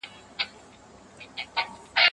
هغه د دښمن هر حرکت په ځیر سره څاره.